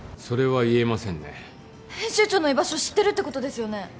それは言えませんね編集長の居場所知ってるってことですよね？